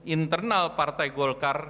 internal partai golkar